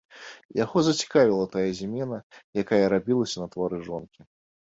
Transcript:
Яго зацікавіла тая змена, якая рабілася на твары жонкі.